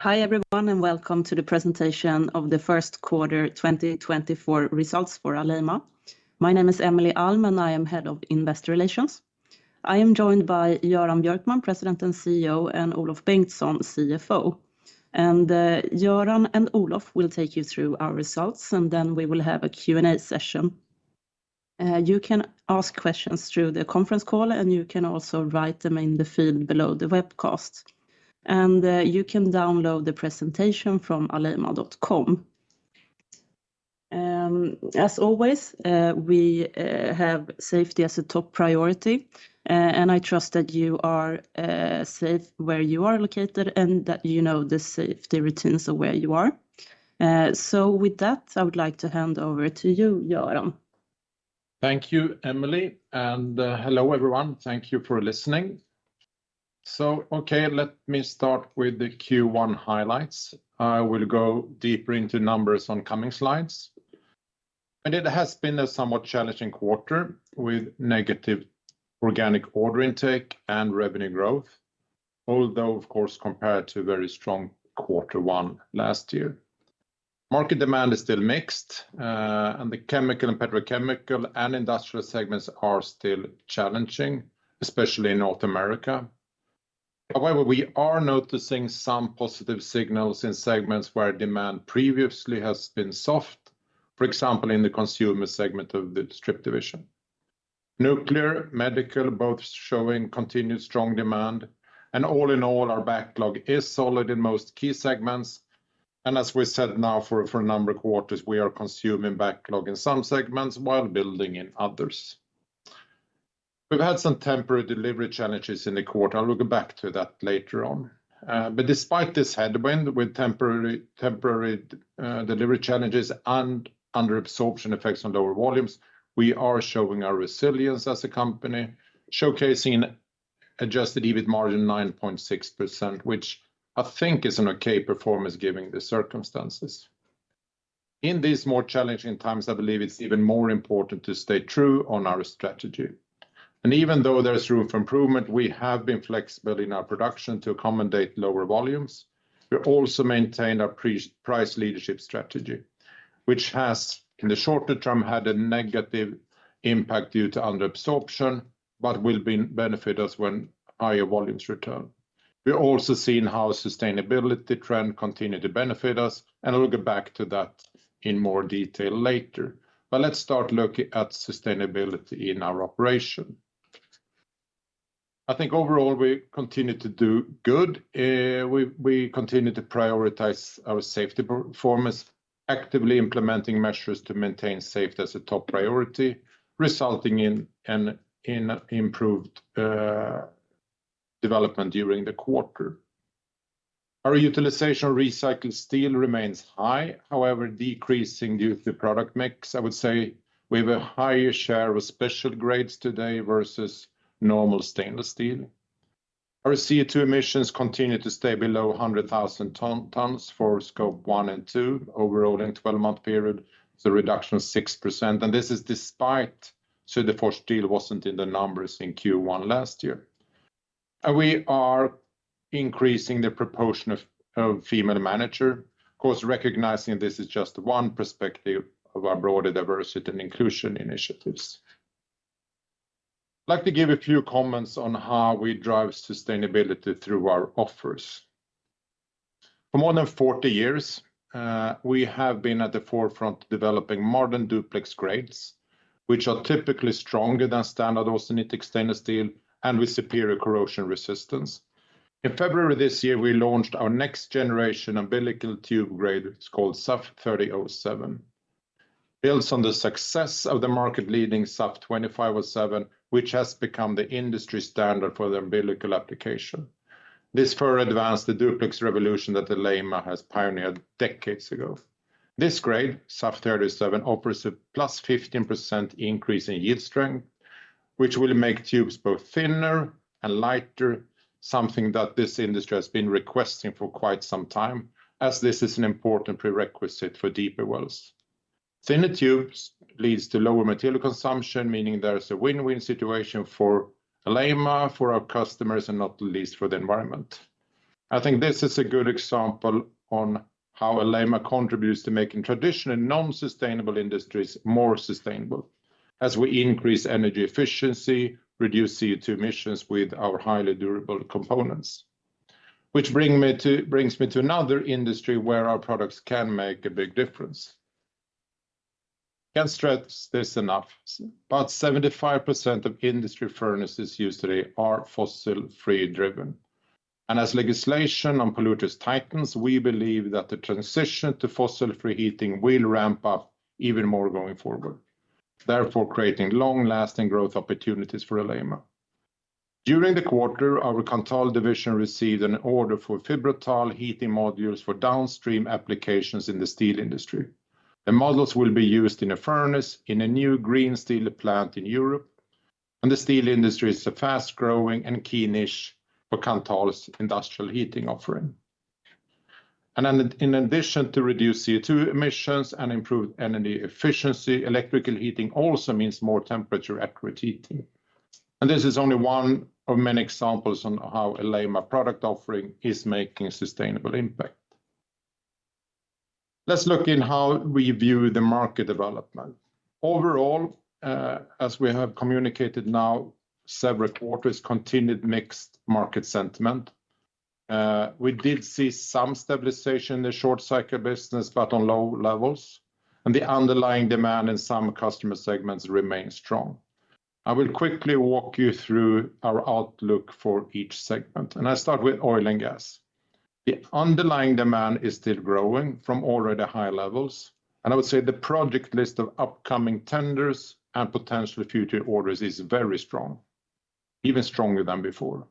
Hi everyone and welcome to the presentation of the first quarter 2024 results for Alleima. My name is Emelie Alm and I am Head of Investor Relations. I am joined by Göran Björkman, President and CEO, and Olof Bengtsson, CFO. Göran and Olof will take you through our results and then we will have a Q&A session. You can ask questions through the conference call and you can also write them in the field below the webcast. You can download the presentation from alleima.com. As always, we have safety as a top priority and I trust that you are safe where you are located and that you know the safety routines of where you are. With that I would like to hand over to you, Göran. Thank you, Emelie. Hello everyone, thank you for listening. Okay, let me start with the Q1 highlights. I will go deeper into numbers on coming slides. It has been a somewhat challenging quarter with negative organic order intake and revenue growth, although of course compared to very strong quarter one last year. Market demand is still mixed and the chemical and petrochemical and industrial segments are still challenging, especially in North America. However, we are noticing some positive signals in segments where demand previously has been soft, for example in the consumer segment of the Strip division. Nuclear and medical both showing continued strong demand and all in all our backlog is solid in most key segments. As we said now for a number of quarters we are consuming backlog in some segments while building in others. We've had some temporary delivery challenges in the quarter. I'll look back to that later on. Despite this headwind with temporary delivery challenges and underabsorption effects on lower volumes, we are showing our resilience as a company, showcasing an Adjusted EBIT margin of 9.6%, which I think is an okay performance given the circumstances. In these more challenging times I believe it's even more important to stay true on our strategy. Even though there's room for improvement, we have been flexible in our production to accommodate lower volumes. We also maintain our price leadership strategy, which has in the shorter term had a negative impact due to underabsorption but will benefit us when higher volumes return. We've also seen how sustainability trends continue to benefit us and I'll look back to that in more detail later. Let's start looking at sustainability in our operation. I think overall we continue to do good. We continue to prioritize our safety performance, actively implementing measures to maintain safety as a top priority, resulting in an improved development during the quarter. Our utilization of recycled steel remains high, however decreasing due to the product mix. I would say we have a higher share of special grades today versus normal stainless steel. Our CO2 emissions continue to stay below 100,000 tons for Scope one and two, overall in a 12-month period. So reduction of 6%. And this is despite Söderfors Steel wasn't in the numbers in Q1 last year. And we are increasing the proportion of female managers. Of course, recognizing this is just one perspective of our broader diversity and inclusion initiatives. I'd like to give a few comments on how we drive sustainability through our offers. For more than 40 years we have been at the forefront developing modern duplex grades, which are typically stronger than standard austenitic stainless steel and with superior corrosion resistance. In February this year we launched our next generation umbilical tube grade, it's called SAF 3007. Built on the success of the market-leading SAF 2507, which has become the industry standard for the umbilical application. This further advanced the duplex revolution that Alleima has pioneered decades ago. This grade, SAF 3007, offers a +15% increase in yield strength, which will make tubes both thinner and lighter, something that this industry has been requesting for quite some time as this is an important prerequisite for deeper wells. Thinner tubes lead to lower material consumption, meaning there's a win-win situation for Alleima, for our customers, and not least for the environment. I think this is a good example on how Alleima contributes to making traditional non-sustainable industries more sustainable as we increase energy efficiency, reduce CO2 emissions with our highly durable components. Which brings me to another industry where our products can make a big difference. Can't stress this enough. About 75% of industry furnaces used today are fossil-free driven. As legislation on polluters tightens, we believe that the transition to fossil-free heating will ramp up even more going forward, therefore creating long-lasting growth opportunities for Alleima. During the quarter our Kanthal division received an order for Fibrothal heating modules for downstream applications in the steel industry. The modules will be used in a furnace in a new green steel plant in Europe. The steel industry is a fast-growing and key niche for Kanthal's industrial heating offering. In addition to reduce CO2 emissions and improve energy efficiency, electrical heating also means more temperature-accurate heating. This is only one of many examples on how Alleima's product offering is making a sustainable impact. Let's look in how we view the market development. Overall, as we have communicated now, several quarters continued mixed market sentiment. We did see some stabilization in the short-cycle business but on low levels. The underlying demand in some customer segments remains strong. I will quickly walk you through our outlook for each segment. I start with oil and gas. The underlying demand is still growing from already high levels. I would say the project list of upcoming tenders and potentially future orders is very strong, even stronger than before.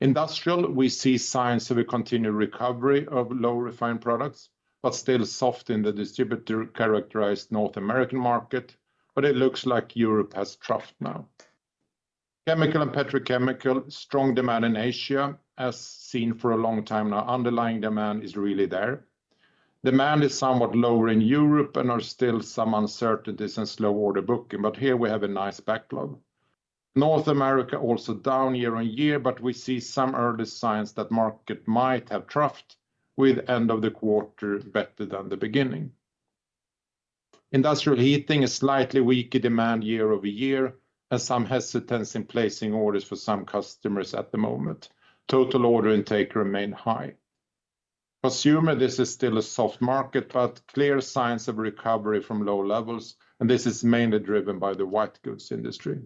Industrial, we see signs of a continued recovery of low-refined products but still soft in the distributor-characterized North American market. It looks like Europe has troughed now. Chemical and petrochemical, strong demand in Asia as seen for a long time now. Underlying demand is really there. Demand is somewhat lower in Europe and there's still some uncertainties and slow order booking. But here we have a nice backlog. North America also down year-on-year, but we see some early signs that market might have troughed with end of the quarter better than the beginning. Industrial heating, a slightly weaker demand year-over-year and some hesitance in placing orders for some customers at the moment. Total order intake remains high. Consumer, this is still a soft market but clear signs of recovery from low levels. And this is mainly driven by the white goods industry.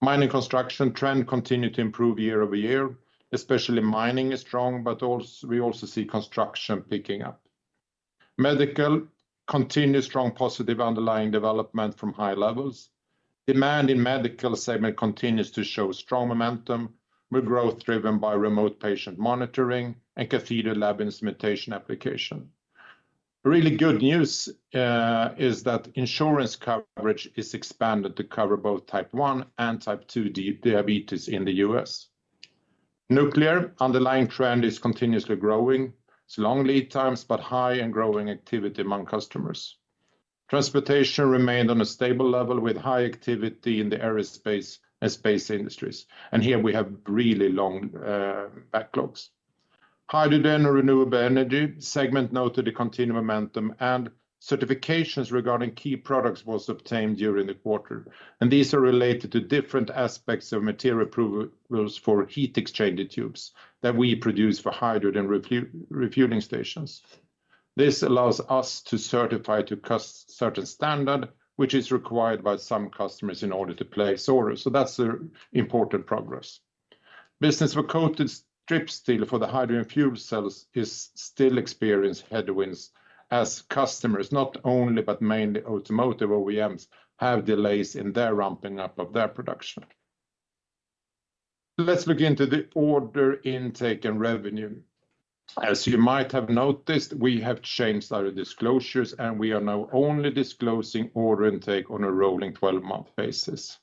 Mining construction trend continues to improve year-over-year, especially mining is strong, but we also see construction picking up. Medical, continue strong positive underlying development from high levels. Demand in the medical segment continues to show strong momentum with growth driven by remote patient monitoring and catheter lab instrumentation application. Really good news is that insurance coverage is expanded to cover both type 1 and type 2 diabetes in the U.S.. Nuclear, underlying trend is continuously growing. It's long lead times but high and growing activity among customers. Transportation remained on a stable level with high activity in the aerospace and space industries. Here we have really long backlogs. Hydrogen and renewable energy, segment noted a continued momentum and certifications regarding key products were obtained during the quarter. These are related to different aspects of material approvals for heat exchanger tubes that we produce for hydrogen refueling stations. This allows us to certify to certain standard, which is required by some customers in order to place orders. So that's important progress. Business for coated strip steel for the hydrogen fuel cells is still experiencing headwinds as customers, not only but mainly automotive OEMs, have delays in their ramping up of their production. Let's look into the order intake and revenue. As you might have noticed, we have changed our disclosures and we are now only disclosing order intake on a rolling 12-month basis.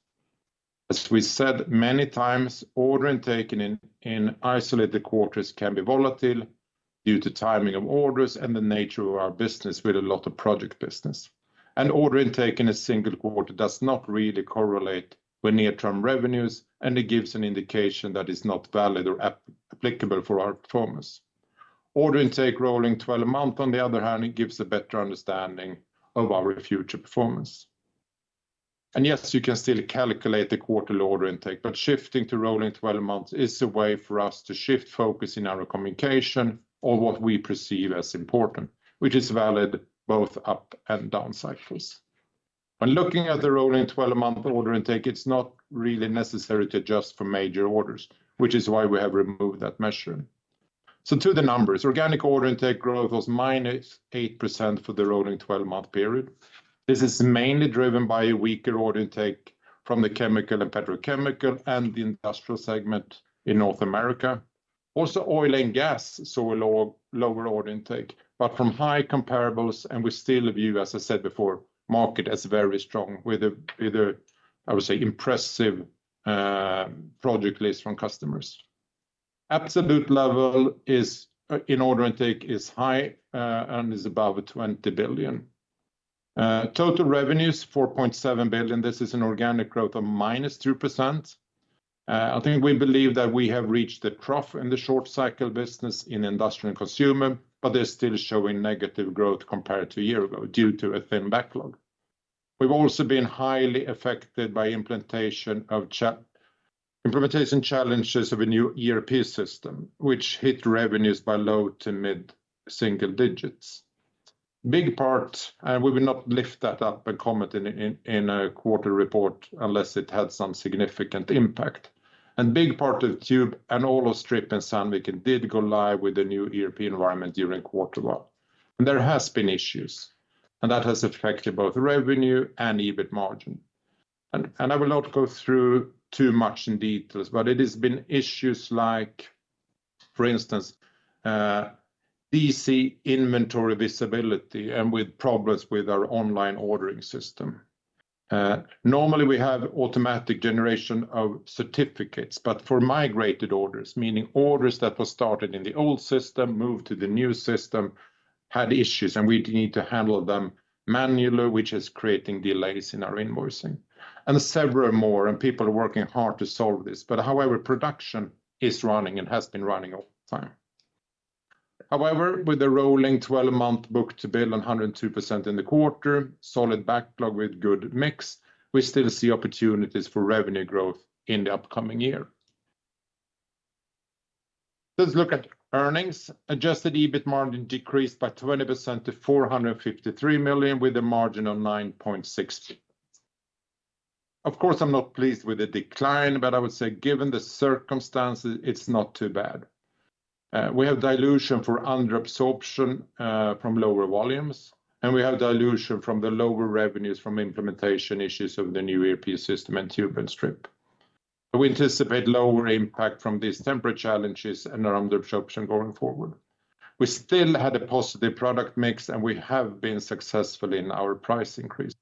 As we said many times, order intake in isolated quarters can be volatile due to timing of orders and the nature of our business with a lot of project business. Order intake in a single quarter does not really correlate with near-term revenues and it gives an indication that is not valid or applicable for our performance. Order intake rolling 12-month, on the other hand, it gives a better understanding of our future performance. Yes, you can still calculate the quarterly order intake, but shifting to rolling 12 months is a way for us to shift focus in our communication on what we perceive as important, which is valid both up and down cycles. When looking at the rolling 12-month order intake, it's not really necessary to adjust for major orders, which is why we have removed that measure. To the numbers, organic order intake growth was -8% for the rolling 12-month period. This is mainly driven by a weaker order intake from the chemical and petrochemical and the industrial segment in North America. Also oil and gas saw a lower order intake, but from high comparables and we still view, as I said before, market as very strong with either, I would say, impressive project lists from customers. Absolute level in order intake is high and is above 20 billion. Total revenues, 4.7 billion. This is an organic growth of -2%. I think we believe that we have reached the trough in the short-cycle business in industrial and consumer, but they're still showing negative growth compared to a year ago due to a thin backlog. We've also been highly affected by implementation of the implementation challenges of a new ERP system, which hit revenues by low- to mid-single digits. Big part, and we will not lift that up and comment in a quarter report unless it had some significant impact. And big part of tube and all of Strip and Sandviken did go live with the new ERP environment during quarter one. And there have been issues. And that has affected both revenue and EBIT margin. I will not go through too much in details, but it has been issues like, for instance, DC inventory visibility and with problems with our online ordering system. Normally we have automatic generation of certificates, but for migrated orders, meaning orders that were started in the old system, moved to the new system, had issues and we need to handle them manually, which is creating delays in our invoicing. And several more, and people are working hard to solve this. But however, production is running and has been running all the time. However, with a rolling 12-month Book-to-Bill and 102% in the quarter, solid backlog with good mix, we still see opportunities for revenue growth in the upcoming year. Let's look at earnings. Adjusted EBIT margin decreased by 20% to 453 million with a margin of 9.6%. Of course, I'm not pleased with the decline, but I would say given the circumstances, it's not too bad. We have dilution for underabsorption from lower volumes and we have dilution from the lower revenues from implementation issues of the new ERP system and tube and Strip. We anticipate lower impact from these temporary challenges and our underabsorption going forward. We still had a positive product mix and we have been successful in our price increases.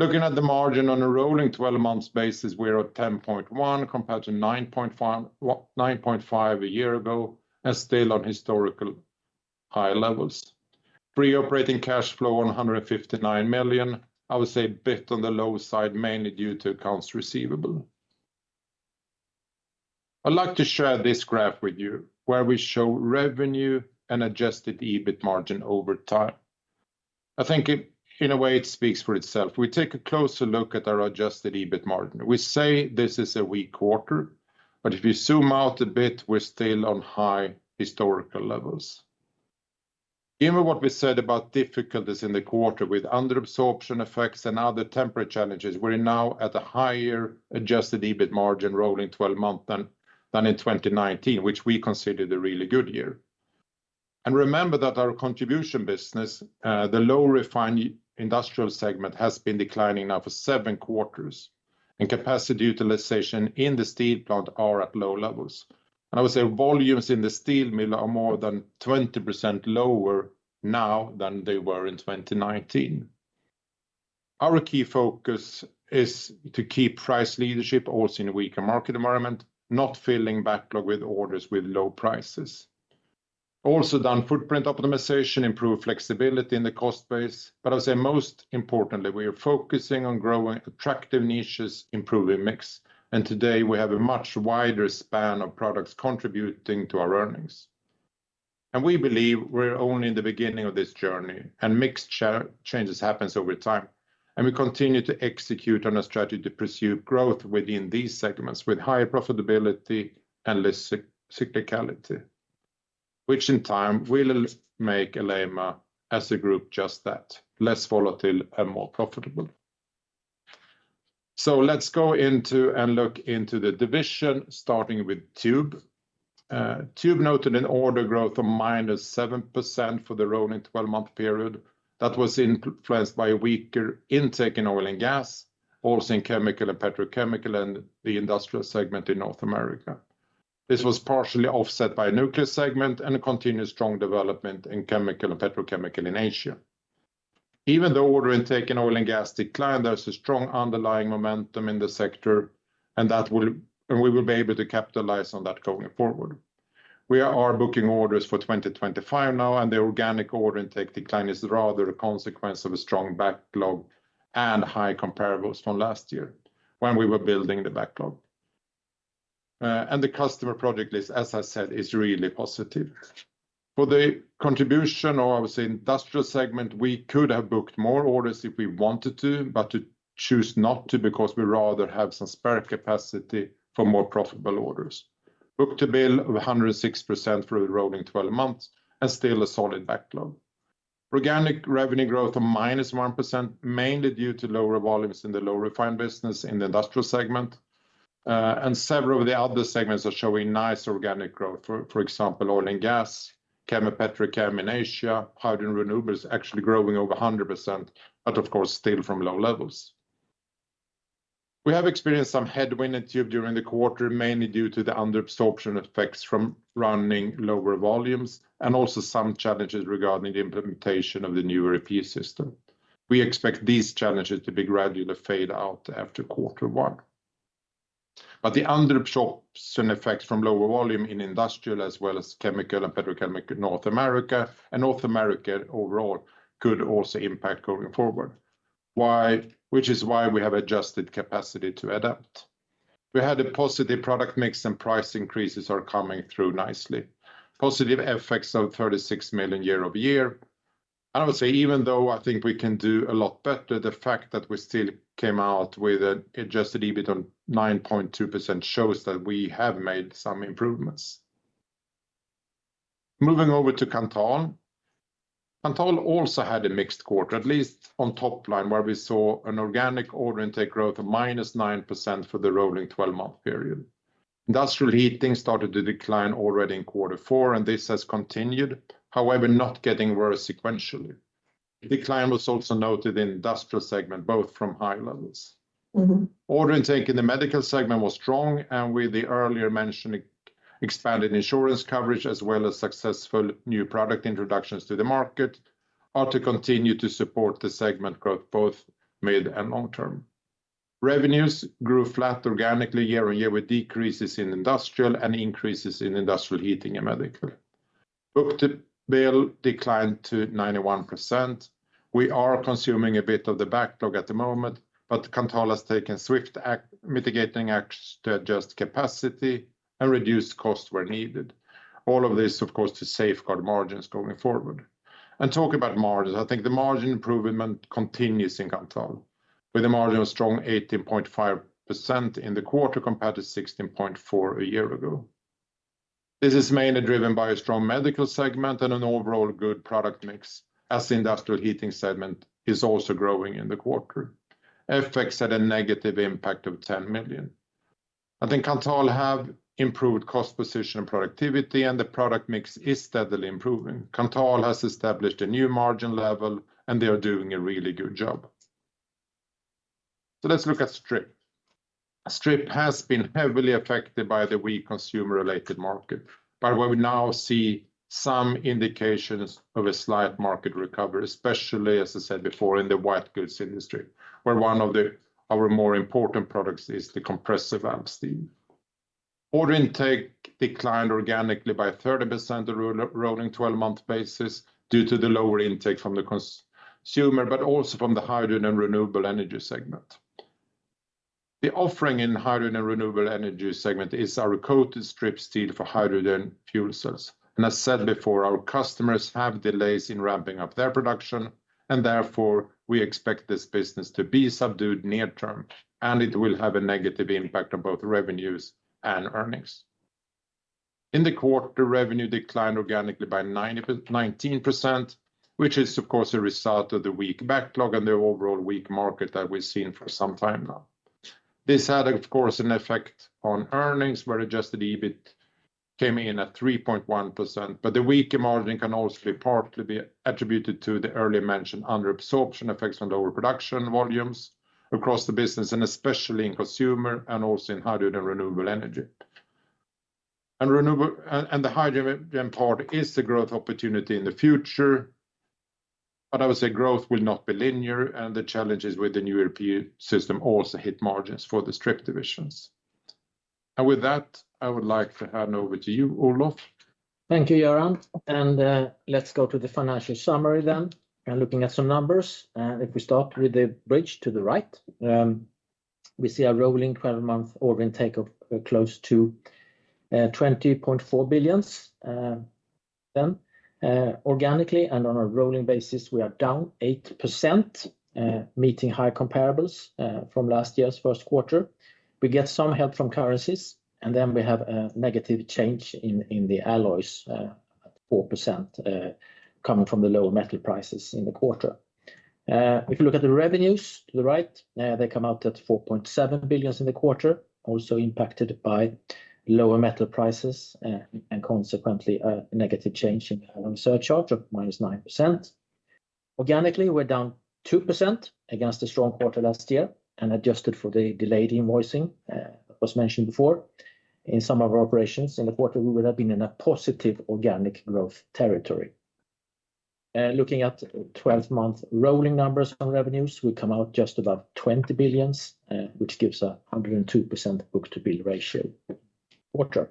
Looking at the margin on a rolling 12-month basis, we are at 10.1 compared to 9.5 a year ago and still on historical high levels. Free operating cash flow, 159 million. I would say a bit on the low side, mainly due to accounts receivable. I'd like to share this graph with you where we show revenue and Adjusted EBIT margin over time. I think in a way it speaks for itself. We take a closer look at our Adjusted EBIT margin. We say this is a weak quarter, but if you zoom out a bit, we're still on high historical levels. Given what we said about difficulties in the quarter with underabsorption effects and other temperature challenges, we're now at a higher Adjusted EBIT margin rolling 12-month than in 2019, which we considered a really good year. And remember that our contribution business, the low refined industrial segment, has been declining now for seven quarters and capacity utilization in the steel plant are at low levels. And I would say volumes in the steel mill are more than 20% lower now than they were in 2019. Our key focus is to keep price leadership also in a weaker market environment, not filling backlog with orders with low prices. Also done footprint optimization, improve flexibility in the cost base. But I would say most importantly, we are focusing on growing attractive niches, improving mix. And today we have a much wider span of products contributing to our earnings. And we believe we're only in the beginning of this journey and mixed changes happen over time. And we continue to execute on a strategy to pursue growth within these segments with higher profitability and less cyclicality, which in time will make Alleima as a group just that, less volatile and more profitable. So let's go into and look into the division starting with tube. tube noted an order growth of -7% for the rolling 12-month period. That was influenced by a weaker intake in oil and gas, also in chemical and petrochemical and the industrial segment in North America. This was partially offset by a nuclear segment and a continued strong development in chemical and petrochemical in Asia. Even though order intake in oil and gas declined, there's a strong underlying momentum in the sector and we will be able to capitalize on that going forward. We are booking orders for 2025 now and the organic order intake decline is rather a consequence of a strong backlog and high comparables from last year when we were building the backlog. The customer project list, as I said, is really positive. For the contribution or I would say industrial segment, we could have booked more orders if we wanted to, but to choose not to because we rather have some spare capacity for more profitable orders. Book-to-Bill of 106% for the rolling 12 months and still a solid backlog. Organic revenue growth of -1%, mainly due to lower volumes in the low refined business in the industrial segment. Several of the other segments are showing nice organic growth. For example, oil and gas, chemical and petrochemical in Asia, hydrogen renewables actually growing over 100%, but of course still from low levels. We have experienced some headwind in tube during the quarter, mainly due to the underabsorption effects from running lower volumes and also some challenges regarding the implementation of the new ERP system. We expect these challenges to be gradually fade out after quarter one. But the underabsorption effects from lower volume in industrial as well as chemical and petrochemical North America and North America overall could also impact going forward, which is why we have adjusted capacity to adapt. We had a positive product mix and price increases are coming through nicely. Positive effects of 36 million year-over-year. I would say even though I think we can do a lot better, the fact that we still came out with an Adjusted EBIT on 9.2% shows that we have made some improvements. Moving over to Kanthal. Kanthal also had a mixed quarter, at least on top line where we saw an organic order intake growth of -9% for the rolling 12-month period. Industrial heating started to decline already in quarter four and this has continued, however, not getting worse sequentially. Decline was also noted in the industrial segment, both from high levels. Order intake in the medical segment was strong and with the earlier mentioned expanded insurance coverage as well as successful new product introductions to the market are to continue to support the segment growth both mid and long term. Revenues grew flat organically year-over-year with decreases in industrial and increases in industrial heating and medical. Book-to-Bill declined to 91%. We are consuming a bit of the backlog at the moment, but Kanthal has taken swift mitigating actions to adjust capacity and reduce costs where needed. All of this, of course, to safeguard margins going forward. And talk about margins, I think the margin improvement continues in Kanthal with a margin of strong 18.5% in the quarter compared to 16.4% a year ago. This is mainly driven by a strong medical segment and an overall good product mix as the industrial heating segment is also growing in the quarter. FX had a negative impact of 10 million. I think Kanthal have improved cost position and productivity and the product mix is steadily improving. Kanthal has established a new margin level and they are doing a really good job. Let's look at Strip. Strip has been heavily affected by the weak consumer-related market, but where we now see some indications of a slight market recovery, especially, as I said before, in the white goods industry where one of our more important products is the compressor valve steel. Order intake declined organically by 30% on a rolling 12-month basis due to the lower intake from the consumer, but also from the hydrogen and renewable energy segment. The offering in hydrogen and renewable energy segment is our coated strip steel for hydrogen fuel cells. As said before, our customers have delays in ramping up their production and therefore we expect this business to be subdued near-term and it will have a negative impact on both revenues and earnings. In the quarter, revenue declined organically by 19%, which is, of course, a result of the weak backlog and the overall weak market that we've seen for some time now. This had, of course, an effect on earnings where Adjusted EBIT came in at 3.1%, but the weaker margin can also be partly attributed to the earlier mentioned underabsorption effects on lower production volumes across the business and especially in consumer and also in hydrogen renewable energy. And the hydrogen part is a growth opportunity in the future, but I would say growth will not be linear and the challenges with the new ERP system also hit margins for the Strip divisions. And with that, I would like to hand over to you, Olof. Thank you, Göran. And let's go to the financial summary then and looking at some numbers. If we start with the bridge to the right, we see a rolling 12-month order intake of close to 20.4 billion then organically and on a rolling basis, we are down 8% meeting high comparables from last year's first quarter. We get some help from currencies and then we have a negative change in the alloys at -4% coming from the lower metal prices in the quarter. If you look at the revenues to the right, they come out at 4.7 billion in the quarter, also impacted by lower metal prices and consequently a negative change in the alloy surcharge of -9%. Organically, we're down 2% against the strong quarter last year and adjusted for the delayed invoicing that was mentioned before. In some of our operations in the quarter, we would have been in a positive organic growth territory. Looking at 12-month rolling numbers on revenues, we come out just above 20 billion, which gives a 102% Book-to-Bill ratio quarter.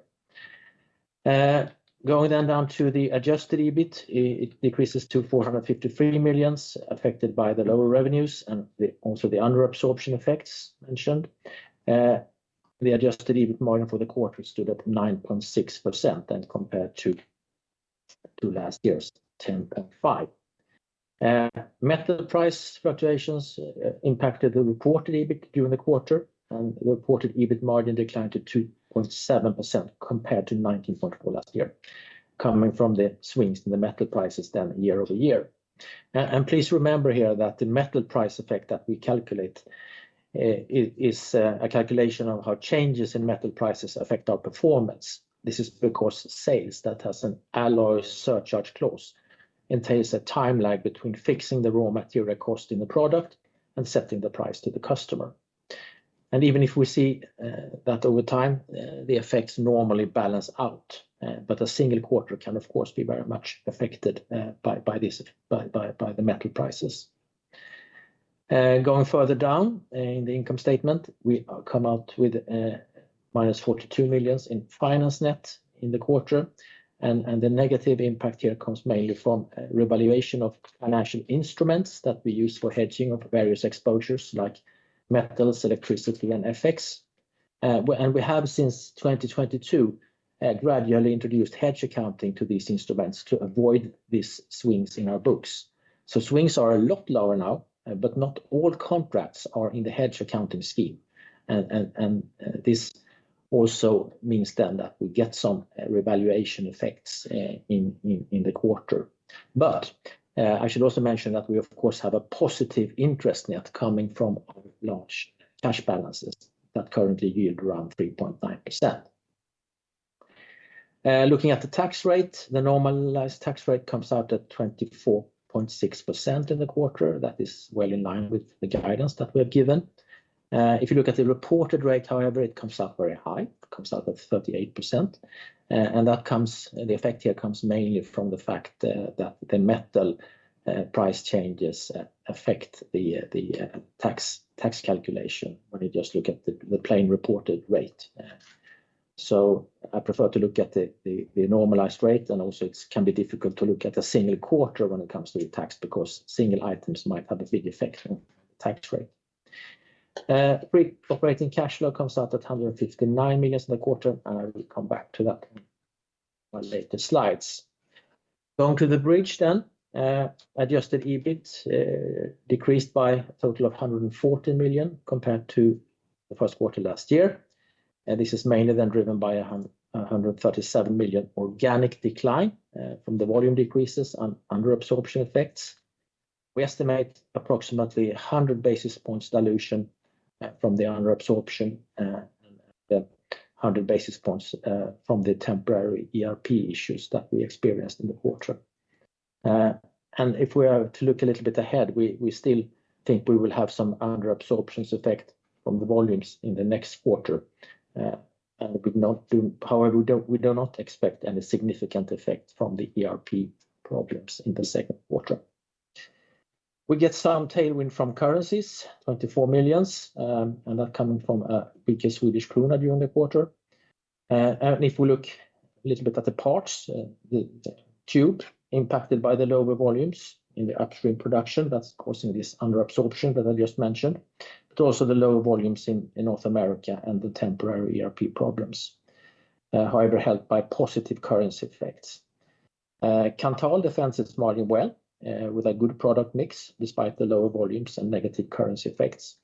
Going then down to the Adjusted EBIT, it decreases to 453 million affected by the lower revenues and also the underabsorption effects mentioned. The Adjusted EBIT margin for the quarter stood at 9.6%, then compared to last year's 10.5%. Metal price fluctuations impacted the reported EBIT during the quarter and the reported EBIT margin declined to 2.7% compared to 19.4% last year coming from the swings in the metal prices then year-over-year. And please remember here that the metal price effect that we calculate is a calculation of how changes in metal prices affect our performance. This is because sales that has an alloy surcharge clause entails a time lag between fixing the raw material cost in the product and setting the price to the customer. And even if we see that over time, the effects normally balance out, but a single quarter can, of course, be very much affected by the metal prices. Going further down in the income statement, we come out with -42 million in finance net in the quarter. And the negative impact here comes mainly from revaluation of financial instruments that we use for hedging of various exposures like metals, electricity, and FX. And we have since 2022 gradually introduced hedge accounting to these instruments to avoid these swings in our books. So swings are a lot lower now, but not all contracts are in the hedge accounting scheme. And this also means then that we get some revaluation effects in the quarter. But I should also mention that we, of course, have a positive interest net coming from our large cash balances that currently yield around 3.9%. Looking at the tax rate, the normalized tax rate comes out at 24.6% in the quarter. That is well in line with the guidance that we have given. If you look at the reported rate, however, it comes out very high. It comes out at 38%. And the effect here comes mainly from the fact that the metal price changes affect the tax calculation when you just look at the plain reported rate. So I prefer to look at the normalized rate and also it can be difficult to look at a single quarter when it comes to the tax because single items might have a big effect on tax rate. Operating cash flow comes out at 159 million in the quarter and I will come back to that in my later slides. Going to the bridge then, Adjusted EBIT decreased by a total of 114 million compared to the first quarter last year. This is mainly then driven by a 137 million organic decline from the volume decreases and underabsorption effects. We estimate approximately 100 basis points dilution from the underabsorption and then 100 basis points from the temporary ERP issues that we experienced in the quarter. If we are to look a little bit ahead, we still think we will have some underabsorptions effect from the volumes in the next quarter. However, we do not expect any significant effect from the ERP problems in the second quarter. We get some tailwind from currencies, 24 million and that coming from a weaker Swedish krona during the quarter. If we look a little bit at the parts, the tube impacted by the lower volumes in the upstream production, that's causing this underabsorption that I just mentioned, but also the lower volumes in North America and the temporary ERP problems, however, helped by positive currency effects. Kanthal defends its margin well with a good product mix despite the lower volumes and negative currency effects.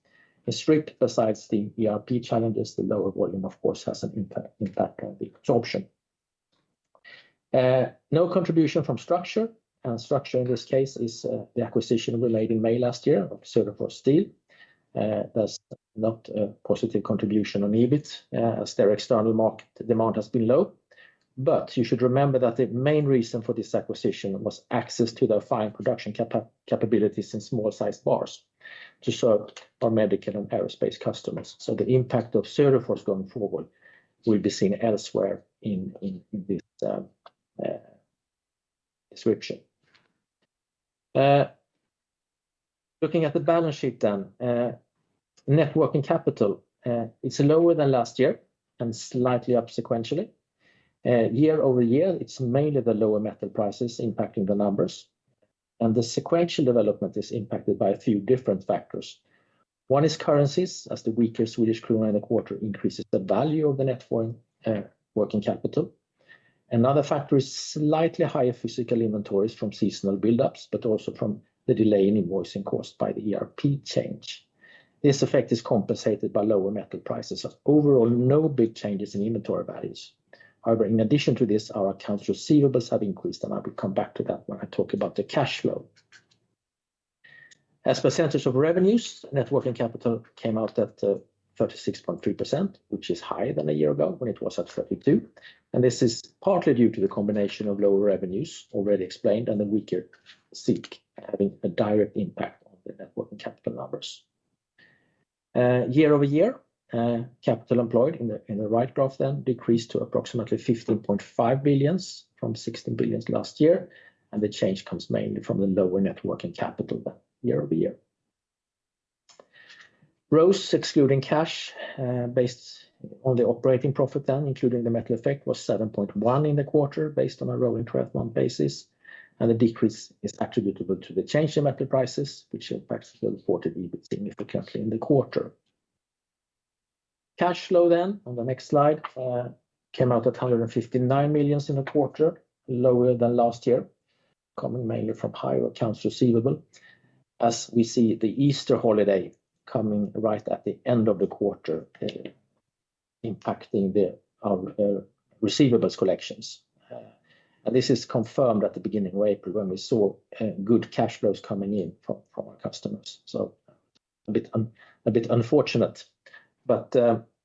Strip, besides the ERP challenges, the lower volume, of course, has an impact on the absorption. No contribution from Söderfors and Söderfors in this case is the acquisition we made in May last year of Söderfors Steel. That's not a positive contribution on EBIT as their external market demand has been low. But you should remember that the main reason for this acquisition was access to the fine production capabilities in small-sized bars to serve our medical and aerospace customers. So the impact of Söderfors going forward will be seen elsewhere in this description. Looking at the balance sheet then, net working capital is lower than last year and slightly up sequentially. Year-over-year, it's mainly the lower metal prices impacting the numbers. The sequential development is impacted by a few different factors. One is currencies as the weaker Swedish krona in the quarter increases the value of the net working capital. Another factor is slightly higher physical inventories from seasonal buildups, but also from the delay in invoicing caused by the ERP change. This effect is compensated by lower metal prices. Overall, no big changes in inventory values. However, in addition to this, our accounts receivable have increased and I will come back to that when I talk about the cash flow. As percentage of revenues, net working capital came out at 36.3%, which is higher than a year ago when it was at 32%. This is partly due to the combination of lower revenues already explained and the weaker SEK having a direct impact on the net working capital numbers. Year-over-year, capital employed in the right graph then decreased to approximately 15.5 billion from 16 billion last year. The change comes mainly from the lower net working capital then year-over-year. Gross excluding cash based on the operating profit then, including the metal effect, was 7.1% in the quarter based on a rolling 12-month basis. The decrease is attributable to the change in metal prices, which impacts the reported EBIT significantly in the quarter. Cash flow then on the next slide came out at 159 million in the quarter, lower than last year, coming mainly from higher accounts receivable as we see the Easter holiday coming right at the end of the quarter impacting our receivables collections. And this is confirmed at the beginning of April when we saw good cash flows coming in from our customers. So a bit unfortunate, but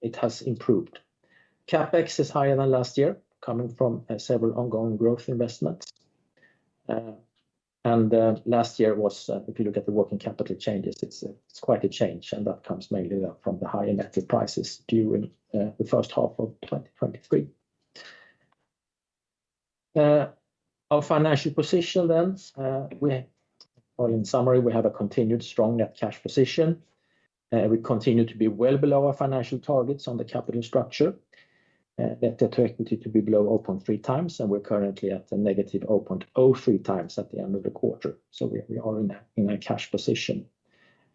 it has improved. CapEx is higher than last year, coming from several ongoing growth investments. And last year was, if you look at the working capital changes, it's quite a change and that comes mainly from the higher metal prices during the first half of 2023. Our financial position then, in summary, we have a continued strong net cash position. We continue to be well below our financial targets on the capital structure. Net debt to equity to be below 0.3x and we're currently at -0.03x at the end of the quarter. So we are in a cash position.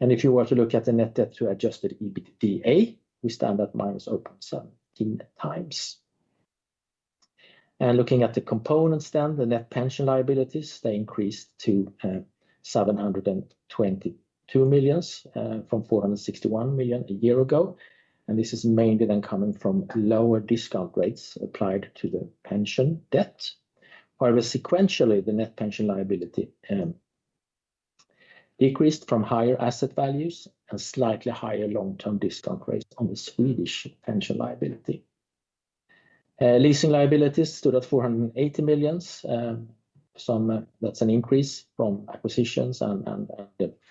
If you were to look at the net debt to Adjusted EBITDA, we stand at -0.17x. Looking at the components then, the net pension liabilities, they increased to 722 million from 461 million a year ago. This is mainly then coming from lower discount rates applied to the pension debt. However, sequentially, the net pension liability decreased from higher asset values and slightly higher long-term discount rates on the Swedish pension liability. Leasing liabilities stood at 480 million. That's an increase from acquisitions and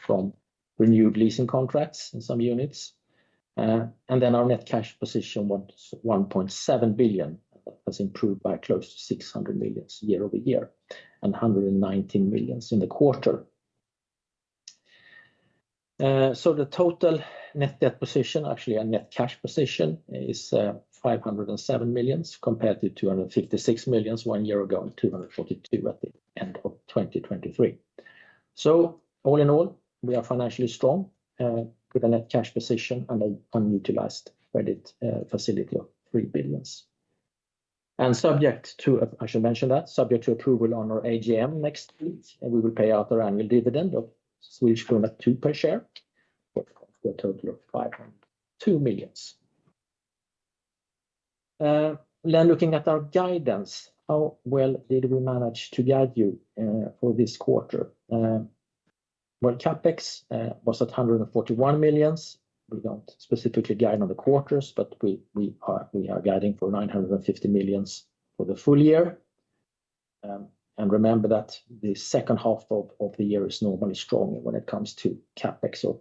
from renewed leasing contracts in some units. Then our net cash position was 1.7 billion and that has improved by close to 600 million year-over-year and 119 million in the quarter. The total net debt position, actually a net cash position is 507 million compared to 256 million one year ago and 242 million at the end of 2023. All in all, we are financially strong with a net cash position and an unutilized credit facility of 3 billion. I should mention that subject to approval on our AGM next week, we will pay out our annual dividend of Swedish krona 2 per share for a total of 502 million. Looking at our guidance, how well did we manage to guide you for this quarter? Well, CapEx was at 141 million. We don't specifically guide on the quarters, but we are guiding for 950 million for the full year. Remember that the second half of the year is normally stronger when it comes to CapEx or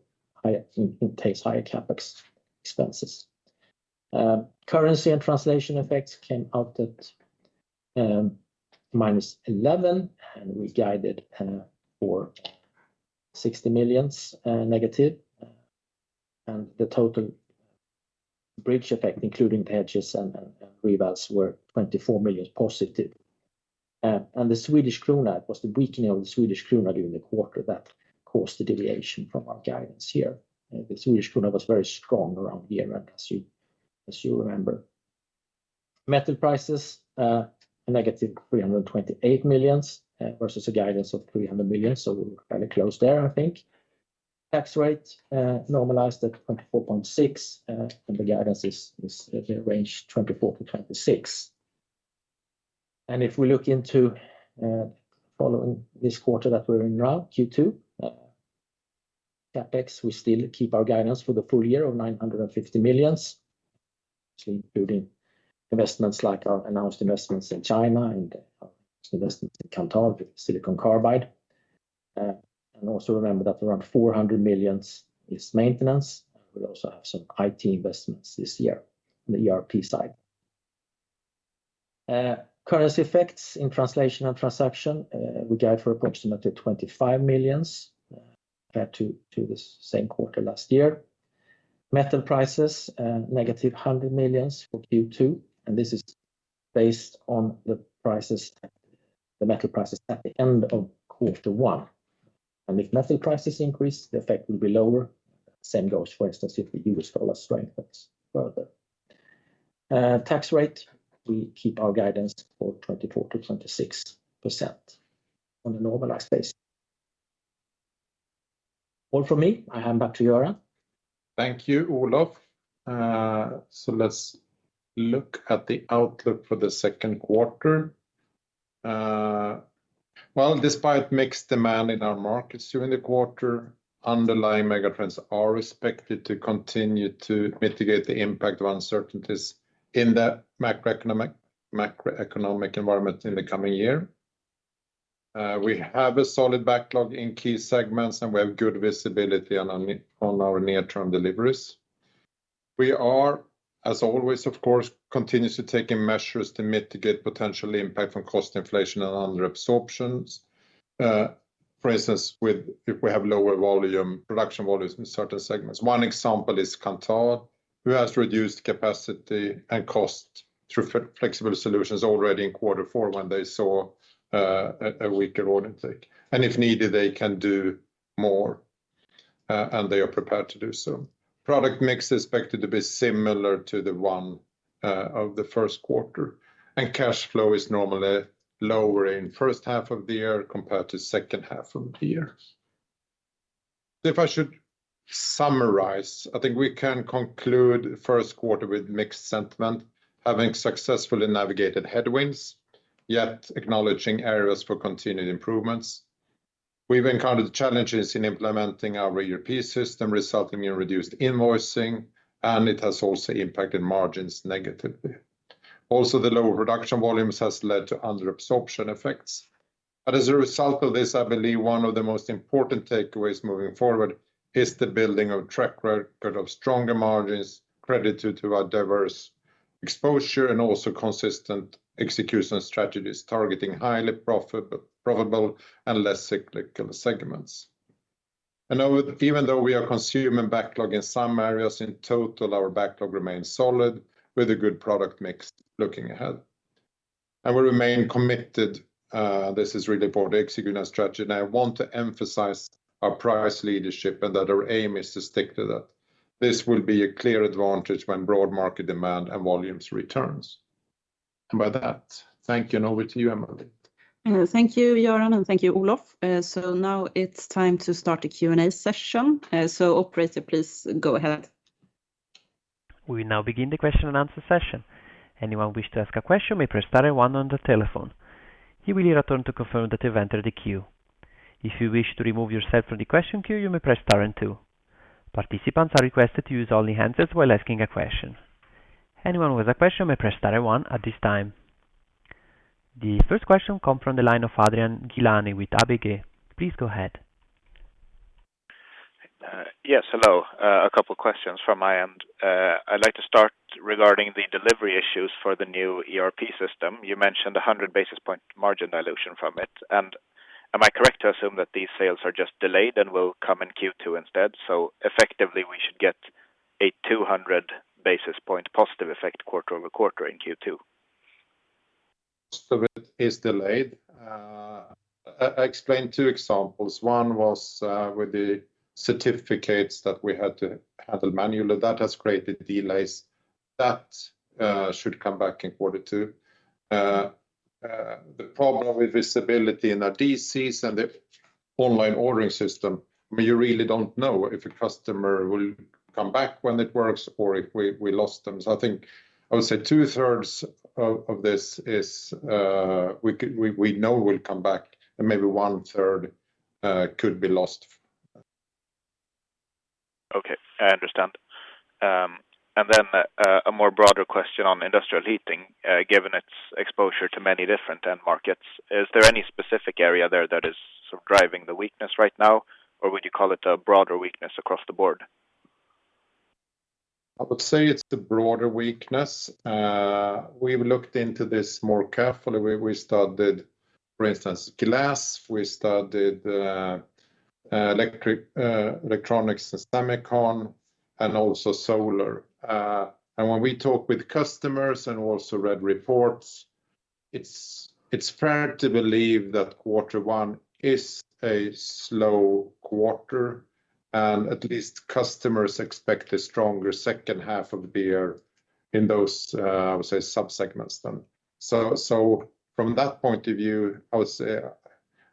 entails higher CapEx expenses. Currency and translation effects came out at -11% and we guided for -60 million. The total bridge effect, including the hedges and revalves, were +24 million. The Swedish krona, it was the weakening of the Swedish krona during the quarter that caused the deviation from our guidance here. The Swedish krona was very strong around year-end, as you remember. Metal prices, -328 million versus a guidance of -300 million. We were fairly close there, I think. Tax rate normalized at 24.6% and the guidance is in the range 24%-26%. If we look into following this quarter that we're in now, Q2, CapEx, we still keep our guidance for the full year of 950 million, including investments like our announced investments in China and our announced investments in Kanthal with silicon carbide. Also remember that around 400 million is maintenance. We also have some IT investments this year on the ERP side. Currency effects in translation and transaction, we guide for approximately 25 million compared to the same quarter last year. Metal prices, negative 100 million for Q2. And this is based on the metal prices at the end of quarter one. And if metal prices increase, the effect will be lower. Same goes, for instance, if the U.S. dollar strengthens further. Tax rate, we keep our guidance for 24%-26% on a normalized basis. All from me. I hand back to Göran. Thank you, Olof. So let's look at the outlook for the second quarter. Well, despite mixed demand in our markets during the quarter, underlying megatrends are expected to continue to mitigate the impact of uncertainties in the macroeconomic environment in the coming year. We have a solid backlog in key segments and we have good visibility on our near-term deliveries. We are, as always, of course, continuously taking measures to mitigate potential impact from cost inflation and underabsorptions. For instance, if we have lower volume production volumes in certain segments. One example is Kanthal, who has reduced capacity and cost through flexible solutions already in quarter four when they saw a weaker order intake. And if needed, they can do more and they are prepared to do so. Product mix is expected to be similar to the one of the first quarter. Cash flow is normally lower in first half of the year compared to second half of the year. If I should summarize, I think we can conclude first quarter with mixed sentiment, having successfully navigated headwinds, yet acknowledging areas for continued improvements. We've encountered challenges in implementing our ERP system, resulting in reduced invoicing, and it has also impacted margins negatively. Also, the lower production volumes has led to underabsorption effects. But as a result of this, I believe one of the most important takeaways moving forward is the building of a track record of stronger margins, credit due to our diverse exposure, and also consistent execution strategies targeting highly profitable and less cyclical segments. And even though we are consuming backlog in some areas, in total, our backlog remains solid with a good product mix looking ahead. And we remain committed. This is really about the executing strategy. I want to emphasize our price leadership and that our aim is to stick to that. This will be a clear advantage when broad market demand and volumes return. And with that, thank you and over to you, Emelie. Thank you, Göran, and thank you, Olof. So now it's time to start the Q&A session. So operator, please go ahead. We will now begin the question and answer session. Anyone wish to ask a question may press star and one on the telephone. You will hear a tone to confirm that you've entered the queue. If you wish to remove yourself from the question queue, you may press star and two. Participants are requested to use only hands while asking a question. Anyone who has a question may press star and one at this time. The first question comes from the line of Adrian Gilani with ABG. Please go ahead. Yes, hello. A couple of questions from my end. I'd like to start regarding the delivery issues for the new ERP system. You mentioned 100 basis points margin dilution from it. And am I correct to assume that these sales are just delayed and will come in Q2 instead? So effectively, we should get a 200 basis points positive effect quarter-over-quarter in Q2. Most of it is delayed. I explained two examples. One was with the certificates that we had to handle manually. That has created delays. That should come back in quarter two. The problem with visibility in our DCs and the online ordering system, you really don't know if a customer will come back when it works or if we lost them. So I think I would say two-thirds of this is we know will come back and maybe one-third could be lost. Okay. I understand. And then a more broader question on industrial heating, given its exposure to many different end markets. Is there any specific area there that is sort of driving the weakness right now or would you call it a broader weakness across the board? I would say it's the broader weakness. We've looked into this more carefully. We studied, for instance, glass. We studied electronics and semiconductors and also solar. And when we talk with customers and also read reports, it's fair to believe that quarter one is a slow quarter and at least customers expect a stronger second half of the year in those, I would say, subsegments then. So from that point of view, I would say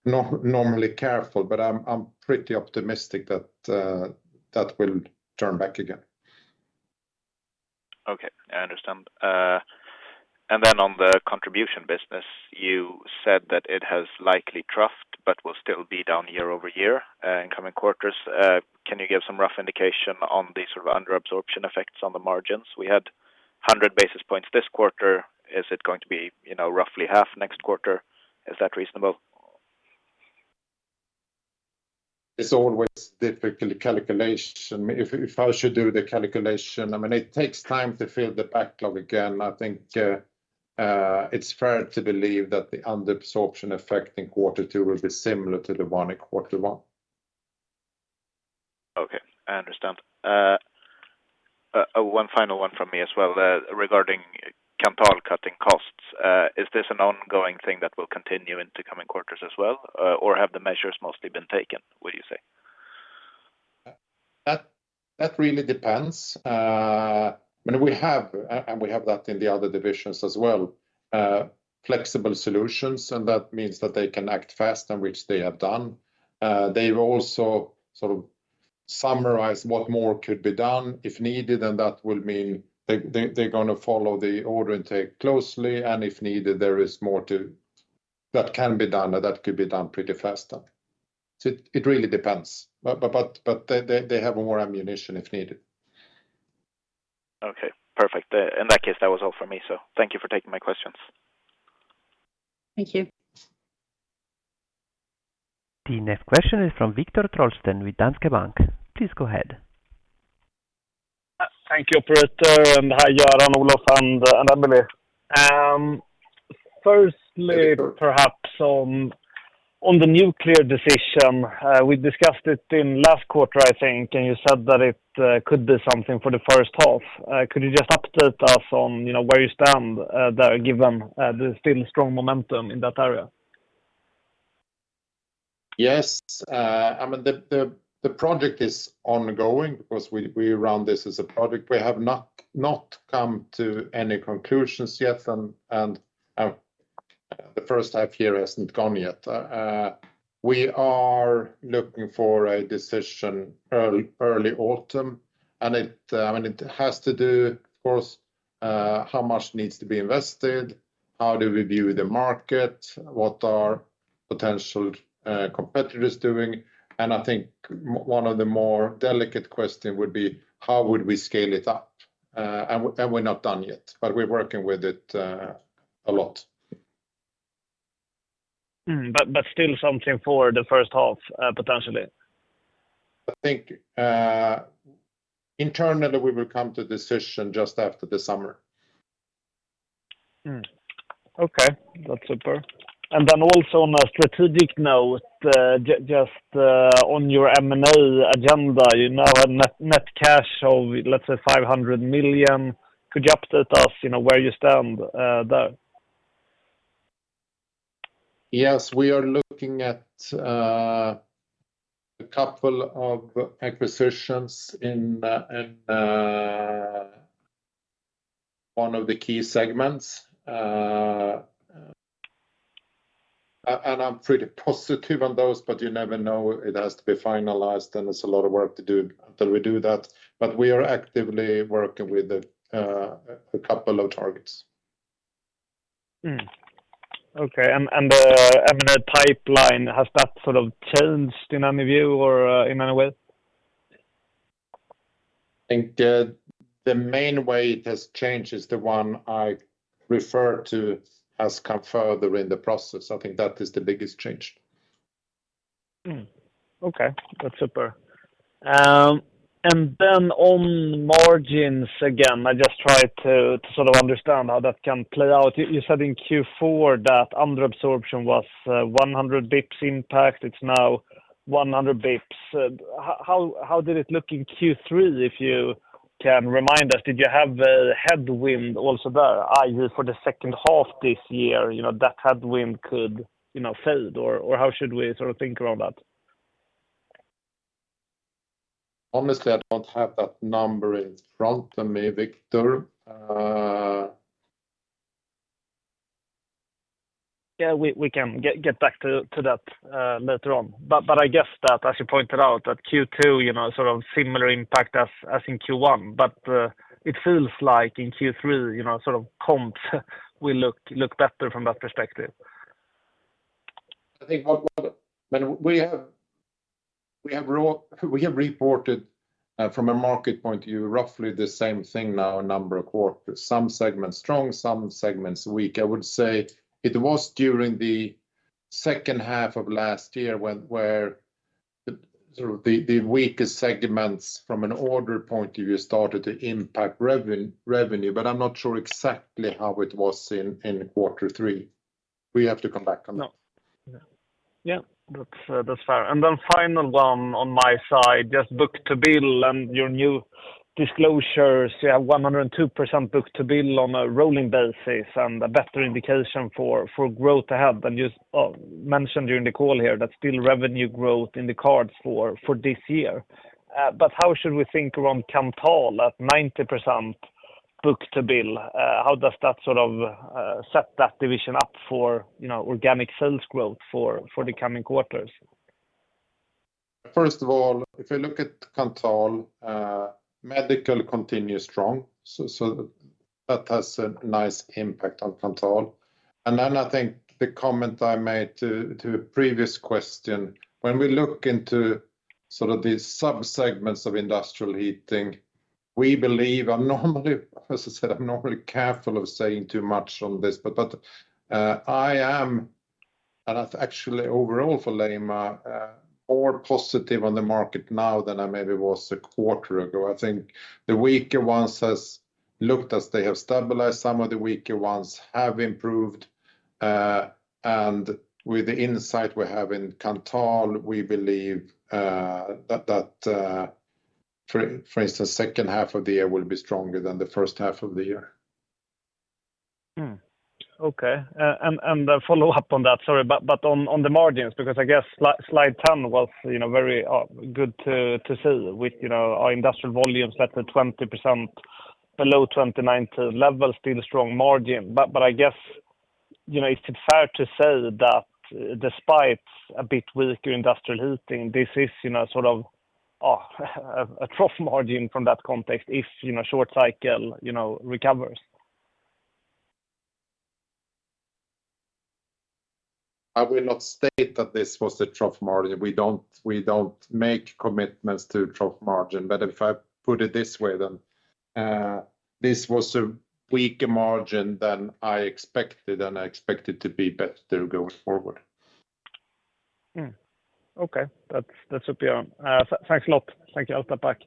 normally careful, but I'm pretty optimistic that that will turn back again. Okay. I understand. Then on the contribution business, you said that it has likely troughed but will still be down year-over-year in coming quarters. Can you give some rough indication on the sort of underabsorption effects on the margins? We had 100 basis points this quarter. Is it going to be roughly half next quarter? Is that reasonable? It's always difficult calculation. If I should do the calculation, I mean, it takes time to fill the backlog again. I think it's fair to believe that the underabsorption effect in quarter two will be similar to the one in quarter one. Okay. I understand. One final one from me as well regarding Kanthal cutting costs. Is this an ongoing thing that will continue into coming quarters as well or have the measures mostly been taken, would you say? That really depends. I mean, we have and we have that in the other divisions as well, flexible solutions. And that means that they can act fast in which they have done. They've also sort of summarized what more could be done if needed and that will mean they're going to follow the order intake closely. And if needed, there is more that can be done and that could be done pretty fast then. So it really depends. But they have more ammunition if needed. Okay. Perfect. In that case, that was all from me. So thank you for taking my questions. Thank you. The next question is from Viktor Trollsten with Danske Bank. Please go ahead. Thank you, operator. And hi, Göran, Olof, and Emelie. Firstly, perhaps on the nuclear decision, we discussed it in last quarter, I think, and you said that it could be something for the first half. Could you just update us on where you stand there given the still strong momentum in that area? Yes. I mean, the project is ongoing because we run this as a project. We have not come to any conclusions yet and the first half year hasn't gone yet. We are looking for a decision early autumn and it has to do, of course, how much needs to be invested, how do we view the market, what are potential competitors doing. I think one of the more delicate questions would be how would we scale it up? We're not done yet, but we're working with it a lot. Still something for the first half, potentially? I think internally we will come to a decision just after the summer. Okay. That's super. Then also on a strategic note, just on your M&A agenda, you now have net cash of, let's say, 500 million. Could you update us where you stand there? Yes. We are looking at a couple of acquisitions in one of the key segments. I'm pretty positive on those, but you never know. It has to be finalized, and there's a lot of work to do until we do that. We are actively working with a couple of targets. Okay. The pipeline, has that sort of changed in any view or in any way? I think the main way it has changed is the one I referred to has come further in the process. I think that is the biggest change. Okay. That's super. Then on margins again, I just try to sort of understand how that can play out. You said in Q4 that underabsorption was 100 bps impact. It's now 100 bps. How did it look in Q3 if you can remind us? Did you have a headwind also there, i.e., for the second half this year that headwind could fade or how should we sort of think around that? Honestly, I don't have that number in front of me, Viktor. Yeah. We can get back to that later on. But I guess that, as you pointed out, that Q2 sort of similar impact as in Q1. But it feels like in Q3 sort of comps will look better from that perspective. I think what I mean, we have reported from a market point of view roughly the same thing now in a number of quarters. Some segments strong, some segments weak. I would say it was during the second half of last year where sort of the weakest segments from an order point of view started to impact revenue. But I'm not sure exactly how it was in quarter three. We have to come back on that. Yeah. That's fair. And then final one on my side, just Book-to-Bill and your new disclosures. You have 102% Book-to-Bill on a rolling basis and a better indication for growth ahead. And you mentioned during the call here that still revenue growth in the cards for this year. But how should we think around Kanthal at 90% Book-to-Bill? How does that sort of set that division up for organic sales growth for the coming quarters? First of all, if we look at Kanthal, medical continues strong. So that has a nice impact on Kanthal. And then I think the comment I made to a previous question, when we look into sort of the subsegments of industrial heating, we believe. I'm normally, as I said, I'm normally careful of saying too much on this. But I am, and actually overall for Alleima, more positive on the market now than I maybe was a quarter ago. I think the weaker ones have looked as they have stabilized. Some of the weaker ones have improved. And with the insight we have in Kanthal, we believe that, for instance, second half of the year will be stronger than the first half of the year. Okay. And follow up on that, sorry, but on the margins because I guess slide 10 was very good to see with our industrial volumes that are 20% below 2019 level, still strong margin. But I guess is it fair to say that despite a bit weaker industrial heating, this is sort of a trough margin from that context if short cycle recovers? I will not state that this was a trough margin. We don't make commitments to trough margin. But if I put it this way, then this was a weaker margin than I expected and I expected to be better going forward. Okay. That's super. Thanks a lot. Thank you all for back.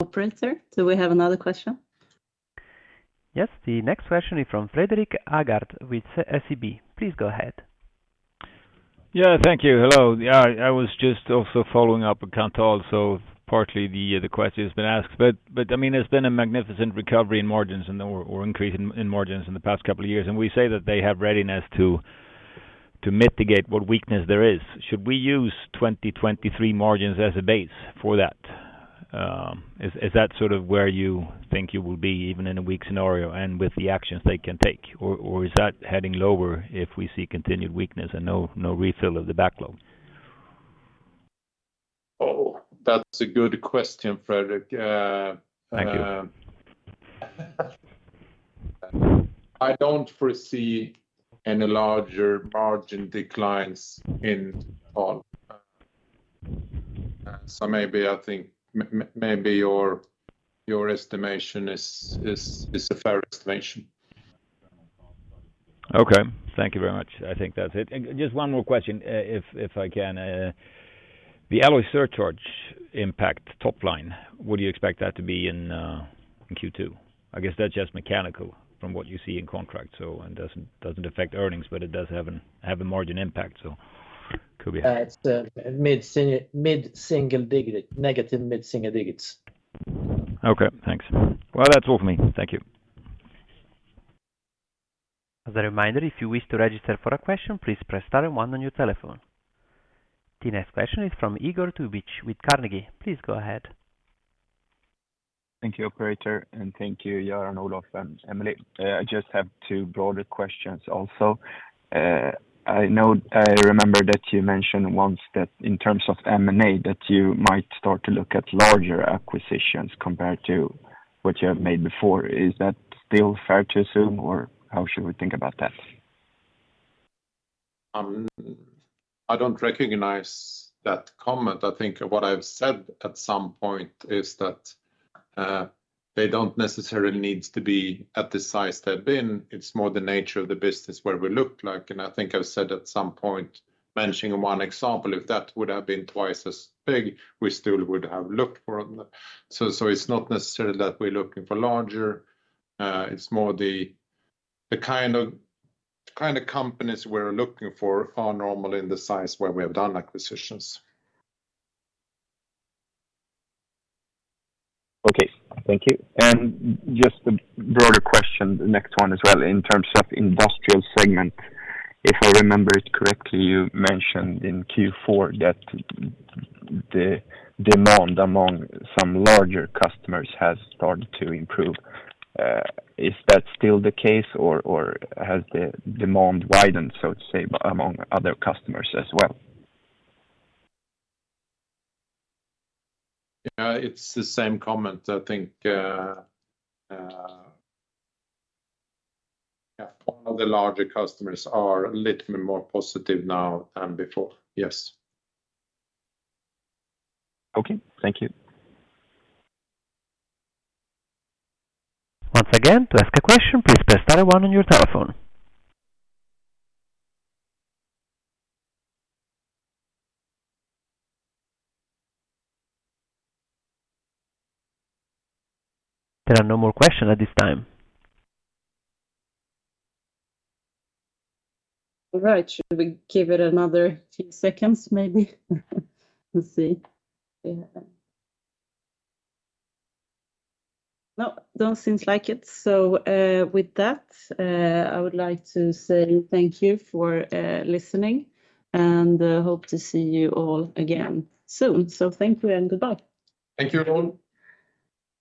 Operator, do we have another question? Yes. The next question is from Fredrik Agardh with SEB. Please go ahead. Yeah. Thank you. Hello. I was just also following up on Kanthal. So partly the question has been asked. But I mean, there's been a magnificent recovery in margins or increase in margins in the past couple of years. And we say that they have readiness to mitigate what weakness there is. Should we use 2023 margins as a base for that? Is that sort of where you think you will be even in a weak scenario and with the actions they can take? Or is that heading lower if we see continued weakness and no refill of the backlog? Oh, that's a good question, Fredrik. I don't foresee any larger margin declines at all. So maybe I think maybe your estimation is a fair estimation. Okay. Thank you very much. I think that's it. Just one more question if I can. The alloy surcharge impact top line, would you expect that to be in Q2? I guess that's just mechanical from what you see in contracts and doesn't affect earnings, but it does have a margin impact. So could be helpful. It's mid-single digit, negative mid-single digits. Okay. Thanks. Well, that's all for me. Thank you. As a reminder, if you wish to register for a question, please press star and one on your telephone. The next question is from Igor Tubic with Carnegie. Please go ahead. Thank you, operator. And thank you, Göran, Olof, and Emelie. I just have two broader questions also. I remember that you mentioned once that in terms of M&A that you might start to look at larger acquisitions compared to what you have made before. Is that still fair to assume or how should we think about that? I don't recognize that comment. I think what I've said at some point is that they don't necessarily need to be at the size they've been. It's more the nature of the business where we looked like. I think I've said at some point mentioning one example, if that would have been twice as big, we still would have looked for them. So it's not necessarily that we're looking for larger. It's more the kind of companies we're looking for are normally in the size where we have done acquisitions. Okay. Thank you. Just a broader question, the next one as well, in terms of industrial segment. If I remember it correctly, you mentioned in Q4 that the demand among some larger customers has started to improve. Is that still the case or has the demand widen, so to say, among other customers as well? Yeah. It's the same comment. I think one of the larger customers are a little bit more positive now than before. Yes. Okay. Thank you. Once again, to ask a question, please press star and one on your telephone. There are no more questions at this time. All right. Should we give it another few seconds maybe? Let's see. No, don't seem like it. So with that, I would like to say thank you for listening and hope to see you all again soon. So thank you and goodbye. Thank you, everyone.